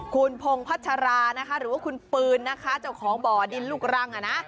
คุณพงพัชรานะคะหรือว่าคุณปืนนะคะเจ้าของบ่อดินลูกรังอ่ะนะ